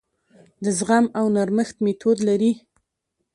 د زغم او نرمښت میتود لري.